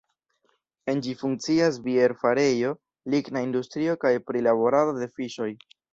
En ĝi funkcias bierfarejo, ligna industrio kaj prilaborado de fiŝoj.